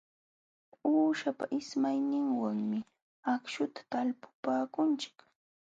Uushapa ismayninwanmi akśhuta talpupaakunchik.